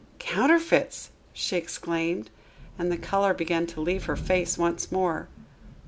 "Counterfeits!" she exclaimed, and the color began to leave her face once more.